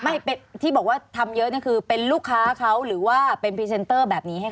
ไม่เป็นที่บอกว่าทำเยอะนี่คือเป็นลูกค้าเขาหรือว่าเป็นพรีเซนเตอร์แบบนี้ให้ค